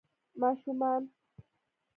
ماشومان